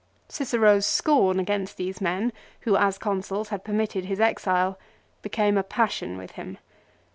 Cicero's scorn against these men, who as Consuls had permitted his exile, became a passion with him.